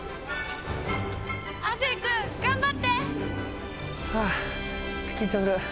亜生君頑張って！はあ緊張する。